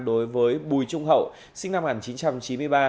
đối với bùi trung hậu sinh năm một nghìn chín trăm chín mươi ba